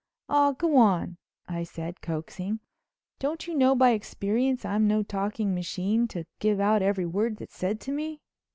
"Aw, go on," I said coaxing, "don't you know by experience I'm no talking machine to give out every word that's said to me."